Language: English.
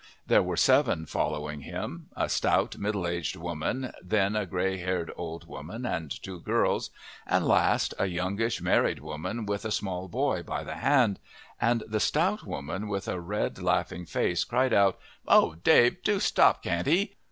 There were seven following him: a stout, middle aged woman, then a grey haired old woman and two girls, and last a youngish, married woman with a small boy by the hand; and the stout woman, with a red, laughing face, cried out, "Oh, Dave, do stop, can't 'ee!